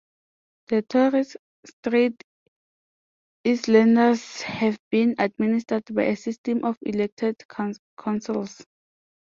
The Torres Strait Islanders have been administered by a system of elected councils.